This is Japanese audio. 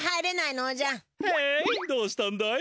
へイどうしたんだい？